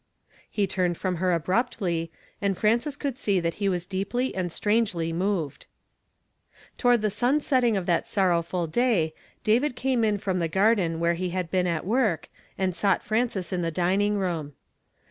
He turned from her abruptly, and Frances could see that he was deeply and strangely moved. Toward the sunsetting of that sorrowful day, David came in from the garden where he had been at work, and sought Frances in the dining room.